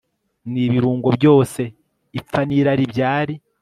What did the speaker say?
nibirungo byose ipfa nirari byari